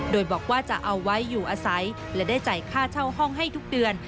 โดยบอกว่าจะเอาไว้อยู่อาศัยและได้จ่ายค่าเช่าห้องให้ทุกเดือน